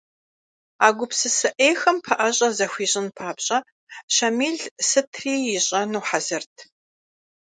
А гупсысэ Ӏейхэм пэӏэщӏэ захуищӏын папщӏэ Щамил сытри ищӏэну хьэзырт.